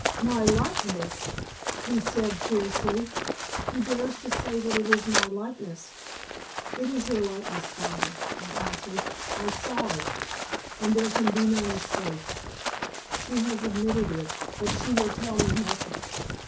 "My likeness!" he said fiercely. "Who dares say that it is my likeness?" "It is your likeness, father," I answered. "I saw it, and there can be no mistake. She has admitted it, but she will tell me nothing."